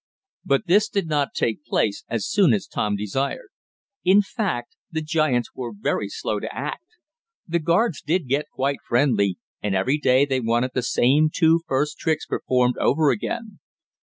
But this did not take place as soon as Tom desired. In fact, the giants were very slow to act. The guards did get quite friendly, and every day they wanted the same two first tricks performed over again.